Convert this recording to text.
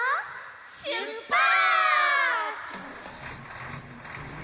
しゅっぱつ！